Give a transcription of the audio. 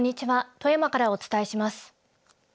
富山からお伝えします。